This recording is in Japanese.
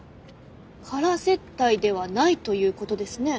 空接待ではないということですね。